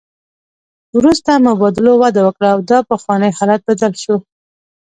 وروسته مبادلو وده وکړه او دا پخوانی حالت بدل شو